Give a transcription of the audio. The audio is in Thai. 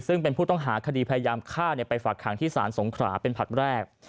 ซึ่งเป็นผู้ต้องหาคดีพยายามฆ่าไปฝากขังที่ศาลสงขราเป็นผลัดแรก